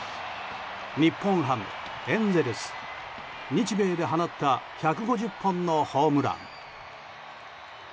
日本ハム、エンゼルス日米で放った１５０本のホームラン。